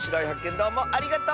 どうもありがとう！